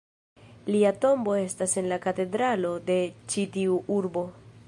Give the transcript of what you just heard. Lia tombo estas en la katedralo de ĉi tiu urbo.